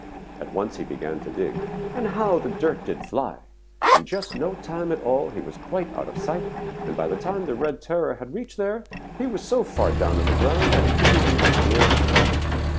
At once he began to dig, and how the dirt did fly! In just no time at all he was quite out of sight, and by the time the Red Terror had reached there, he was so far down in the ground that he didn't even feel the heat.